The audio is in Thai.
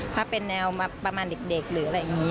ถ้าเป็นแนวประมาณเด็กหรืออะไรอย่างนี้